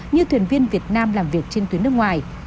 như thuyền viên việt nam làm việc trên tuyến nước ngoài